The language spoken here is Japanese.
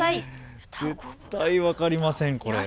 絶対分かりません。